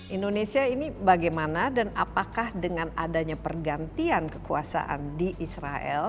indonesia ini bagaimana dan apakah dengan adanya pergantian kekuasaan di israel